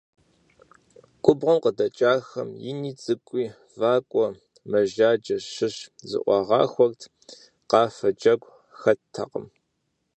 Губгъуэм къыдэкӀахэм ини цӀыкӀуи вакӀуэ мэжаджэм щыщ зыӀуагъахуэрт, къафэ, джэгу хэттэкъым.